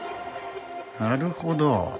なるほど。